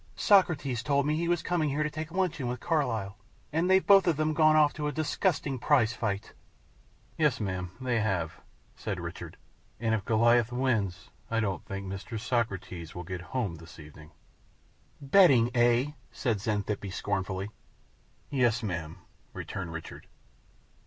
Socrates told me he was coming here to take luncheon with Carlyle, and they've both of 'em gone off to a disgusting prize fight!" "Yes, ma'am, they have," said Richard; "and if Goliath wins, I don't think Mr. Socrates will get home this evening." "Betting, eh?" said Xanthippe, scornfully. "Yes, ma'am," returned Richard.